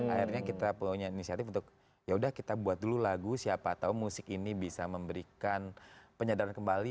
akhirnya kita punya inisiatif untuk yaudah kita buat dulu lagu siapa tau musik ini bisa memberikan penyadaran kembali